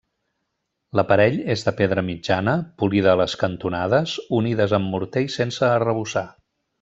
L'aparell és de pedra mitjana, polida a les cantonades, unides amb morter i sense arrebossar.